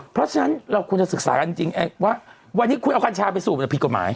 เพราะฉะนั้นเราควรจะศึกษากันจริงว่าวันนี้คุณเอากัญชาไปสูบผิดกฎหมาย